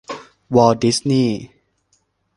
วอลต์ ดิสนีย์